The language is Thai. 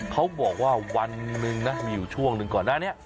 เขาบอกว่าวันหนึ่งนะมีอยู่ช่วงหนึ่งก่อนหน้านี้